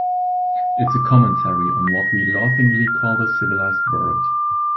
It's a commentary on what we laughingly call the civilized world.